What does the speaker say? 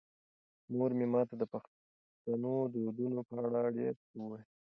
مور مې ماته د پښتنو د دودونو په اړه ډېر څه وویل.